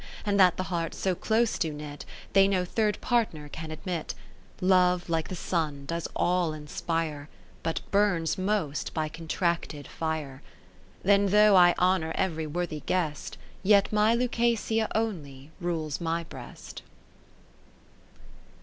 And that the hearts so close do knit. They no third partner can admit ; Love like the Sun does all inspire, But burns most by contracted fire. Then though I honour every worthy guest. Yet my Lucasia only rules my breast.